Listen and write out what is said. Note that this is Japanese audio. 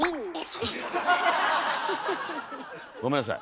ごめんなさい。